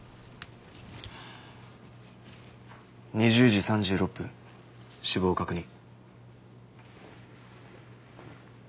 ２０時３６分死亡確認。